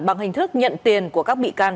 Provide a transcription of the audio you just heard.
bằng hình thức nhận tiền của các bị can